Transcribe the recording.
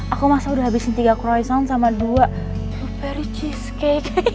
aku masa udah habisin tiga croissant sama dua very cheesecake